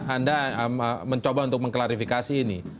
anda mencoba untuk mengklarifikasi ini